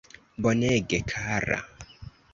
Bonege kara.